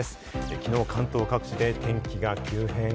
昨日、関東各地で天気が急変。